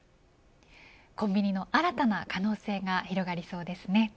コンビニの新たな可能性が広がりそうですね。